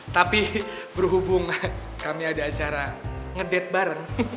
tapi berhubung kami ada acara ngedet bareng